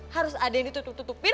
harus ada yang ditutup tutupin